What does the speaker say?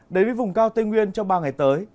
đến với vùng cao tây nguyên trong ba ngày tới